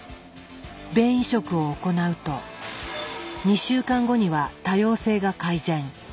便移植を行うと２週間後には多様性が改善。